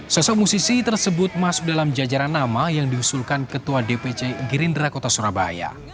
sosok musisi tersebut masuk dalam jajaran nama yang diusulkan ketua dpc gerindra kota surabaya